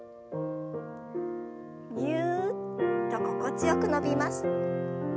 ぎゅっと心地よく伸びます。